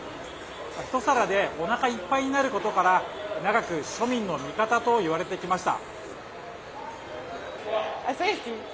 一皿でおなかいっぱいになることから長く庶民の味方といわれてきました。